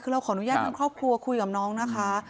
คือเราขออนุญาตทางครอบครัวคุยกับน้องนะคะ